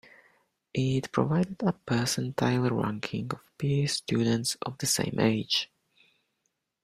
It provided a percentile ranking of peer students of the same age.